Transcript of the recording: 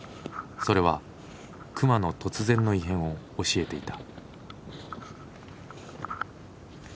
それは熊の突然の異変を教えていた。